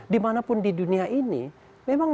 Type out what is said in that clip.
dimanapun di dunia ini memang